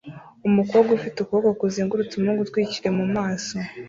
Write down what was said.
Umukobwa ufite ukuboko kuzengurutse umuhungu utwikiriye mu maso